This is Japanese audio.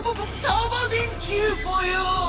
タマ電Ｑぽよ！